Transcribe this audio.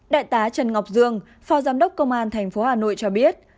đại tá trần ngọc dương phó giám đốc công an thành phố hà nội cho biết